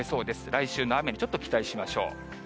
来週の雨にちょっと期待しましょう。